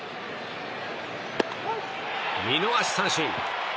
見逃し三振。